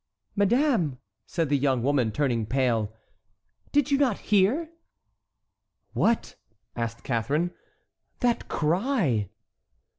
"Madame," said the young woman, turning pale, "did you not hear?" "What?" asked Catharine. "That cry."